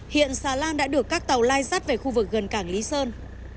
hiện xà lan đã được các tàu lai rắt về khu vực gần cảng lý sơn